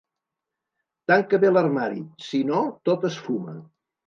Tanca bé l'armari: si no, tot es fuma.